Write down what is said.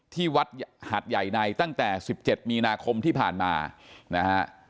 ที่วัดหัดใหญ่ในตั้งแต่๑๗มีนาคมที่ผ่านมานะฮะ